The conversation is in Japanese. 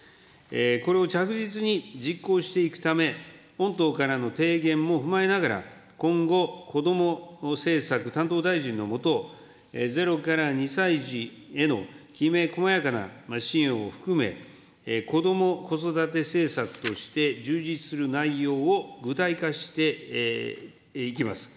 これを着実に実行していくため、御党からの提言も踏まえながら、今後、こども政策担当大臣の下、０から２歳児へのきめこまやかな支援を含め、こども・子育て政策として充実する内容を具体化していきます。